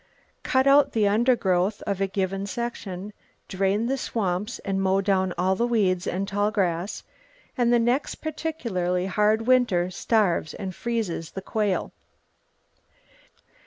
Cut out the undergrowth of a given section, drain the swamps and mow down all the weeds and tall grass, and the next particularly hard winter starves and freezes the quail.